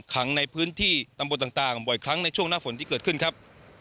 ขังในพื้นที่ตำบลต่างบ่อยครั้งในช่วงหน้าฝนที่เกิดขึ้นครับ